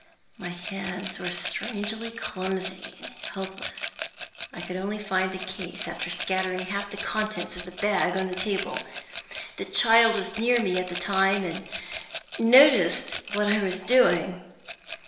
My hands were strangely clumsy and helpless. I could only find the case after scattering half the contents of the bag on the table. The child was near me at the time, and noticed what I was doing.